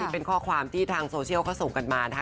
เป็นข้อความที่ทางโซเชียลเขาส่งกันมานะคะ